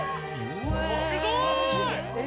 すごーい！！